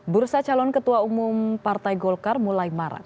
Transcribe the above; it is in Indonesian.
bursa calon ketua umum partai golkar mulai marak